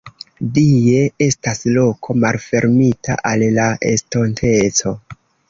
Die estas loko malfermita al la estonteco.